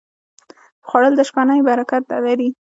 خوړل د شپهنۍ برکت لري